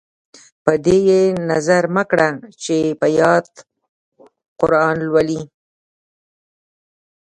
په دې یې نظر مه کړه چې په یاد قران لولي.